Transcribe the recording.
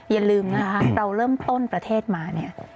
อย่าลืมนะคะเราเริ่มต้นประเทศมาเนี่ย